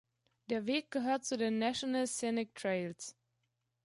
Der Weg gehört zu den National Scenic Trails.